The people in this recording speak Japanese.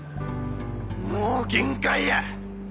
もう限界や！